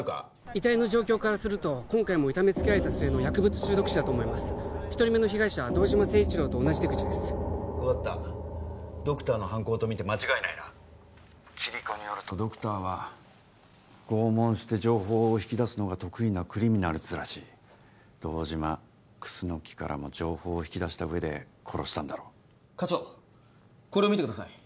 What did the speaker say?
遺体の状況からすると今回も痛めつけられた末の薬物中毒死だと思います一人目の被害者堂島誠一郎と同じ手口です分かったドクターの犯行と見て間違いないなキリコによるとドクターは拷問して情報を引き出すのが得意なクリミナルズらしい堂島楠からも情報を引き出した上で殺したんだろう課長これを見てください